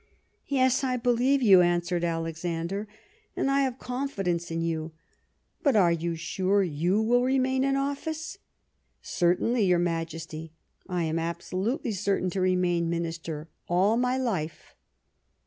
" Yes, I believe you," answered Alexander, " and 226 Last Fights I have confidence in you ; but are you sure you will remain in office ?"" Certainly, your Majesty ; I am absolutely cer tain to remain Minister all my life."